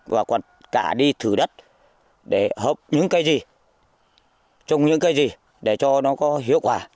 và còn cả đi thử đất để hợp những cây gì trồng những cây gì để cho nó có hiệu quả